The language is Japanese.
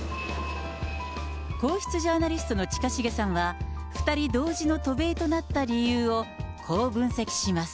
皇室ジャーナリストの近重さんは、２人同時の渡米となった理由を、こう分析します。